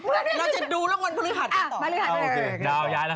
เราจะดูลงวันบริหารกันต่อ